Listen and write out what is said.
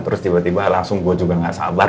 terus tiba tiba langsung gue juga gak sabar